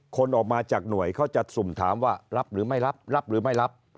คนออกมาจากหน่วยเขาจะสุ่มถามว่ารับหรือไม่รับรับหรือไม่รับ